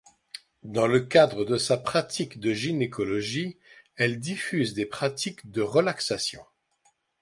Dans le cadre de sa pratique de gynécologie, elle diffuse des pratiques de relaxation.